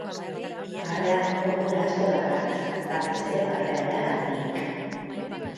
Barreak onura asko dakartza, batez ere barre algara handiek.